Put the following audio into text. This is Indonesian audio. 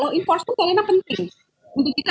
low in force itu kalender penting untuk kita